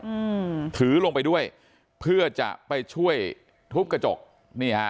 อืมถือลงไปด้วยเพื่อจะไปช่วยทุบกระจกนี่ฮะ